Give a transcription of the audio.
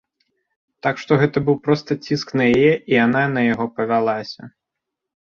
Так што гэта быў проста ціск на яе і яна на яго павялася.